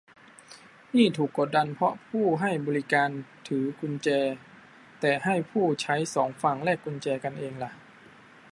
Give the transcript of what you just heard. นี่ถูกกดดันเพราะผู้ให้บริการถือกุญแจ แต่ให้ผู้ใช้สองฝั่งแลกกุญแจกันเองล่ะ